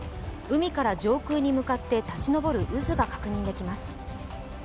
海から上空に向かって立ち上る渦が確認できます。